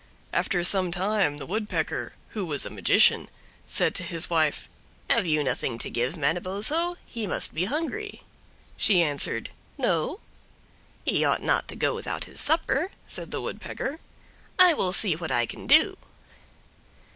After some time the Woodpecker, who was a magician, said to his wife: "Have you nothing to give Manabozho? he must be hungry." She answered, "No." "He ought not to go without his supper," said the Woodpecker. "I will see what I can do."